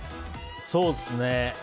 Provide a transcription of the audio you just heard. そうっすね。